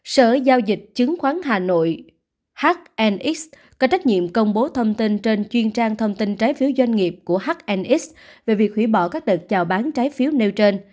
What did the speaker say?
sở giao dịch chứng khoán hà nội hnx có trách nhiệm công bố thông tin trên chuyên trang thông tin trái phiếu doanh nghiệp của hnx về việc hủy bỏ các đợt chào bán trái phiếu nêu trên